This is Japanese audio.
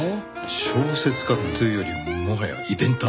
小説家っていうよりもはやイベンター？